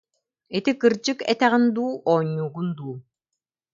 Ити кырдьык этэҕин дуу, оонньуугун дуу